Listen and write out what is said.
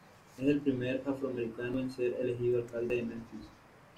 Es el primer afroamericano en ser elegido alcalde de Memphis.